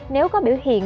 nếu có biểu hiện